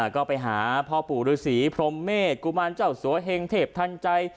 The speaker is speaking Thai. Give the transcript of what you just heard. ก็ไปหาพ่อปู่ฤษีพรมเมษกุมารเจ้าสัวเฮงเทพทันใจ